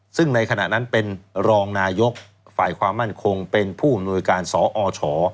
ซึ่งในขณะนั้นเป็นรองนายกฝ่ายความมั่นคงเป็นผู้อำนวยการสอช